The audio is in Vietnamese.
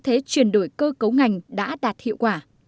thế chuyển đổi cơ cấu ngành đã đạt hiệu quả